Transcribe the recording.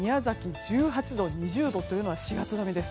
１８度、２０度というのは４月並みです。